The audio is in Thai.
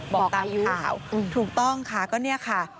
บอกตามข่าวถูกต้องค่ะก็เนี่ยค่ะ